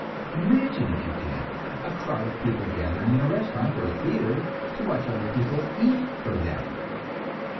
Imagine, if you can, a crowd of people gathering in a restaurant or theater to watch other people eat for them!